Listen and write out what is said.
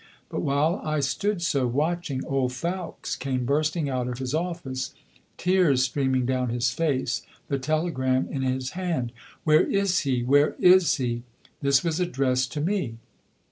But while I stood so, watching, old Fowkes came bursting out of his office, tears streaming down his face, the telegram in his hand. "Where is he? Where is he?" This was addressed to me.